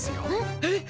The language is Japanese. えっ！？